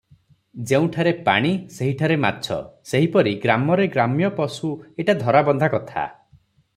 ଯେଉଁଠାରେ ପାଣି, ସେହିଠାରେ ମାଛ, ସେହିପରି ଗ୍ରାମରେ ଗ୍ରାମ୍ୟ ପଶୁ ଏଟା ଧରାବନ୍ଧା କଥା ।